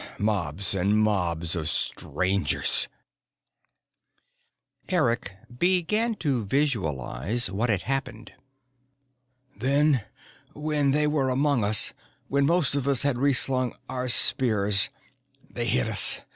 Mobs and mobs of Strangers." Eric began to visualize what had happened. "Then, when they were among us, when most of us had reslung our spears, they hit us.